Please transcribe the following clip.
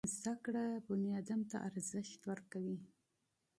زدکړه انسان ته ارزښت ورکوي.